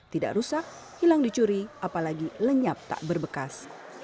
tidak rusak hilang dicuri apalagi lenyap tak berbekas